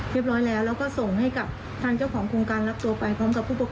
เรียบร้อยแล้วแล้วก็ส่งให้กับทางเจ้าของโครงการรับตัวไป